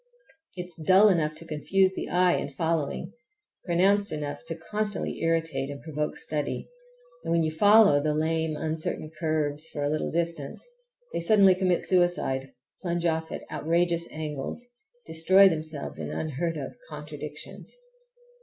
It is dull enough to confuse the eye in following, pronounced enough to constantly irritate, and provoke study, and when you follow the lame, uncertain curves for a little distance they suddenly commit suicide—plunge off at outrageous angles, destroy themselves in unheard of contradictions.